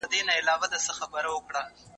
د احمد شاه ابدالي پوځ ولې دومره پیاوړی و؟